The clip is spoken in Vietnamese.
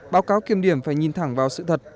báo cáo kiêm điểm phải nhìn thẳng vào sự thật